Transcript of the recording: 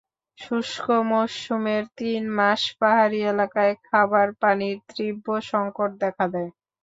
শুষ্ক মৌসুমের তিন মাস পাহাড়ি এলাকায় খাবার পানির তীব্র সংকট দেখা দেয়।